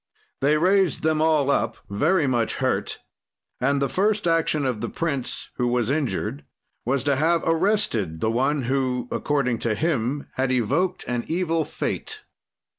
"They raised them all up very much hurt, and the first action of the prince, who was injured, was to have arrested the one who, according to him, had evoked an evil fate.